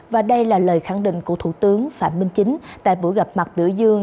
và đây là lời khẳng định của thủ tướng phạm minh chính tại buổi gặp mặt biểu dương